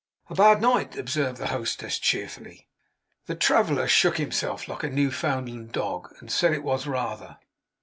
'A bad night!' observed the hostess cheerfully. The traveller shook himself like a Newfoundland dog, and said it was, rather.